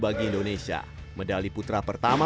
bagi indonesia medali putra pertama